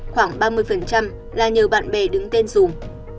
khoảng ba mươi là nhờ bạn bè đứng tên dùm